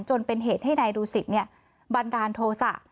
จนเป็นเหตุให้นายดูสิตบันดาลโทษะ